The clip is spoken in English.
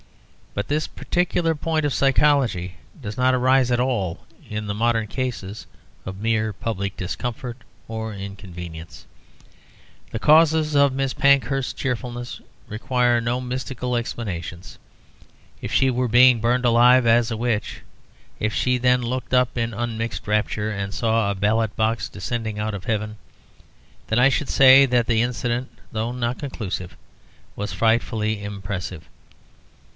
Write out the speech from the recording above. But this particular point of psychology does not arise at all in the modern cases of mere public discomfort or inconvenience. The causes of Miss Pankhurst's cheerfulness require no mystical explanations. If she were being burned alive as a witch, if she then looked up in unmixed rapture and saw a ballot box descending out of heaven, then I should say that the incident, though not conclusive, was frightfully impressive.